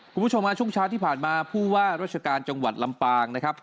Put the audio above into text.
คุณผู้ชมฮะช่วงเช้าที่ผ่านมาผู้ว่าราชการจังหวัดลำปางนะครับ